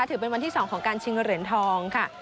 ถือเป็นวันที่๒ของการชิงเหรียญทองค่ะ